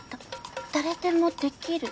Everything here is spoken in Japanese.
だ誰でもできる？